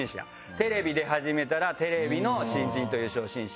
テレビ出始めたらテレビの新人という初心者。